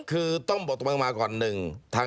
คือต้องบอกตรงมาก่อนหนึ่ง